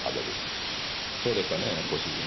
そうでしたねぇご主人。